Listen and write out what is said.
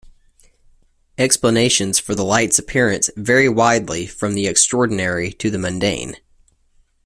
Explanations for the light's appearance vary widely from the extraordinary to the mundane.